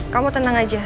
kamu tenang aja